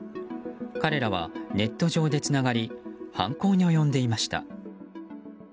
彼らはネット上でつながり犯行に及んでいました。